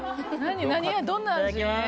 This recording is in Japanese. どんな味？